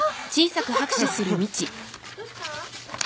どうした？